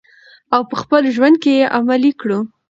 او په خپل ژوند کې یې عملي کړو.